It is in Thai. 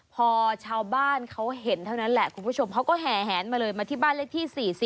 พอชาวบ้านเขาเห็นเท่านั้นแหละคุณผู้ชมเขาก็แห่แหนมาเลยมาที่บ้านเลขที่๔๐